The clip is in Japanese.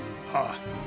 ああ。